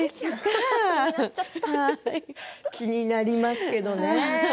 気になりますけど。